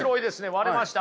割れましたね。